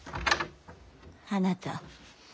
あなた。